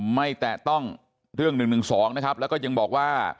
แตะต้องเรื่อง๑๑๒นะครับแล้วก็ยังบอกว่า